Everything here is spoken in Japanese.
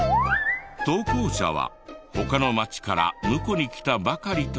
投稿者は他の町から婿に来たばかりとかで。